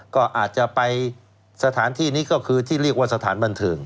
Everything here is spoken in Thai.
ก็อาจจะไปสถานที่นี้ก็คือที่เรียกว่าสถานบันเทิง